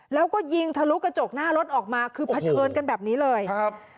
แล้วก็ยิงทะลุกระจกหน้ารถออกมาคือเผชิญกันแบบนี้เลยครับ